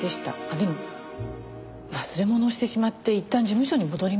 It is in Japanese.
でも忘れ物をしてしまっていったん事務所に戻りました。